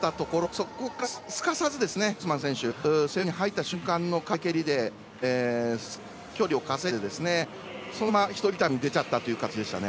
そこからすかさずドルスマン選手は背泳ぎに入った瞬間の壁蹴りで距離を稼いでそのまま１人旅に出ちゃったという形でしたね。